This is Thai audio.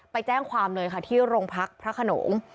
ไปแจ้งความเลยค่ะที่โรงพักพระขนง